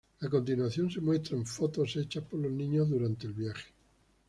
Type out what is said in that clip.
A continuación, se muestran fotos hechas por los niños durante el viaje.